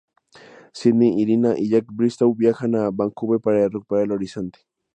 Sydney, Irina y Jack Bristow viajan a Vancouver para recuperar el Horizonte.